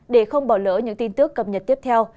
để không bỏ lỡ những tin tức cập nhật tiếp theo